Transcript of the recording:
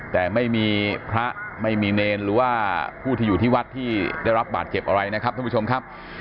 แต่ไม่มีพระไม่มีเนรหรือว่าผู้ที่อยู่ที่วัดที่ได้รับบาดเจ็บอะไรนะครับท่านผู้ชมครับ